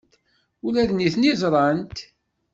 Ula d nitni ẓran-t.